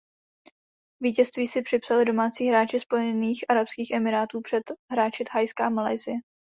Vítězství si připsali domácí hráči Spojených arabských emirátů před hráči Thajska a Malajsie.